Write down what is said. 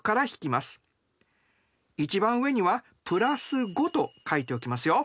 一番上には＋５と書いておきますよ。